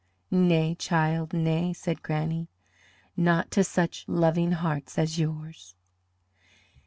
"Nay, child, nay," said Granny, "not to such loving hearts as yours."